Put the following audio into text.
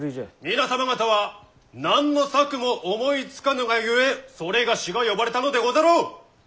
皆様方は何の策も思いつかぬがゆえ某が呼ばれたのでござろう！